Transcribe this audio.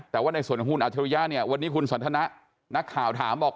แต่ว่าในส่วนของคุณอัจฉริยะเนี่ยวันนี้คุณสันทนะนักข่าวถามบอก